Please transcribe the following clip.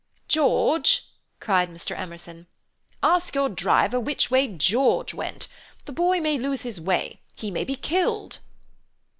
"George!" cried Mr. Emerson. "Ask your driver which way George went. The boy may lose his way. He may be killed."